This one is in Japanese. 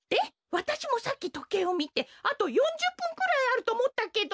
わたしもさっきとけいをみてあと４０ぷんくらいあるとおもったけど。